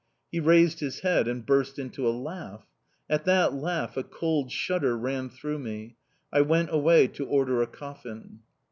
He raised his head and burst into a laugh! At that laugh a cold shudder ran through me... I went away to order a coffin.